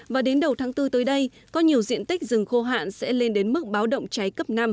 và đến đầu tháng bốn tới đây có nhiều diện tích rừng khô hạn sẽ lên đến mức báo động cháy cấp năm